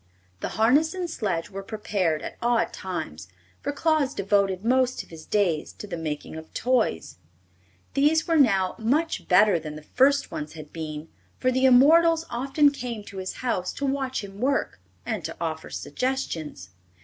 The harness and sledge were prepared at odd times, for Claus devoted most of his days to the making of toys. These were now much better than the first ones had been, for the immortals often came to his house to watch him work and to offer suggestions.